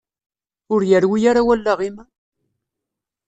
Ur yerwi ara wallaɣ-im?